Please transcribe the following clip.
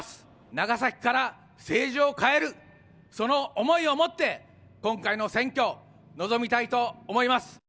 長崎から政治を変える、その思いを持って、今回の選挙、臨みたいと思います。